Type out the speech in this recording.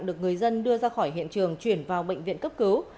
được người dân đưa ra khỏi hiện trường chuyển vào bệnh viện cấp cứu